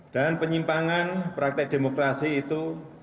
dan penyimpangan praktek demokrasi itu